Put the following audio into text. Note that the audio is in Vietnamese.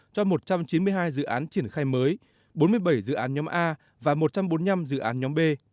cho một trăm chín mươi hai dự án triển khai mới bốn mươi bảy dự án nhóm a và một trăm bốn mươi năm dự án nhóm b